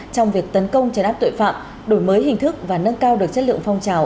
trong việc tấn công chấn áp tội phạm đổi mới hình thức và nâng cao được chất lượng phong trào